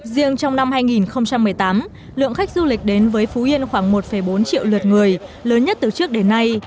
riêng trong năm hai nghìn một mươi tám lượng khách du lịch đến với phú yên khoảng một bốn triệu lượt người lớn nhất từ trước đến nay